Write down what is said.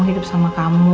hidup sama kamu